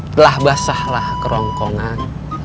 telah basahlah kerongkongan